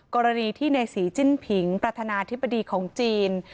กรณีที่ในศรีจิ้นผิงประธานาธิบดีของจีน